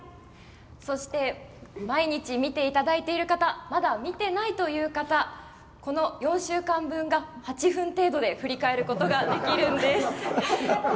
そして毎日見ていただいている方まだ見ていないという方この４週間分が８分程度で振り返ることができるんです。